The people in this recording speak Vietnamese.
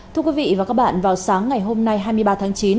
thưa quý vị và các bạn vào sáng ngày hôm nay hai mươi ba tháng chín